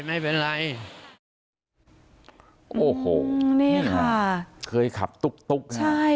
ไม่เป็นไรโอ้โหนี่ค่ะเคยขับตุ๊กตุ๊กไงใช่